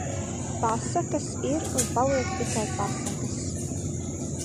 Pasakas ir un paliek tikai pasakas